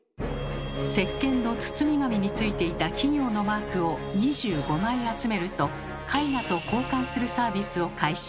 せっけんの包み紙についていた企業のマークを２５枚集めると絵画と交換するサービスを開始。